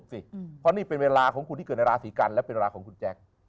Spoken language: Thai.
เพราะนี่เป็นเวลาของคนที่เกิดในราศีกันและเป็นเวลาของคุณแจ๊ค